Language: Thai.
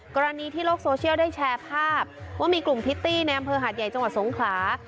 กรณีที่โลกโซเชียลได้แชร์ภาพว่ามีกลุ่มพิตตี้ในอำเภอหาดใหญ่จังหวัดสงขลา